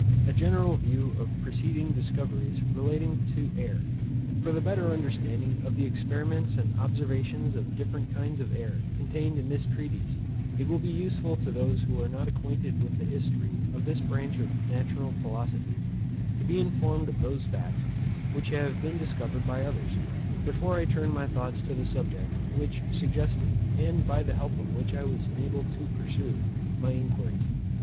A general view of PRECEDING DISCOVERIES relating to air. For the better understanding of the experiments and observations on different kinds of air contained in this treatise, it will be useful to those who are not acquainted with the history of this branch of natural philosophy, to be informed of those facts which had been discovered by others, before I turned my thoughts to the subject; which suggested, and by the help of which I was enabled to pursue, my inquiries.